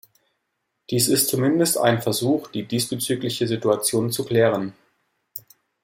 Dies ist zumindest ein Versuch, die diesbezügliche Situation zu klären.